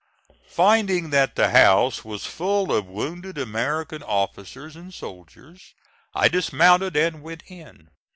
Finding that the house was full of wounded American officers and soldiers, I dismounted and went in.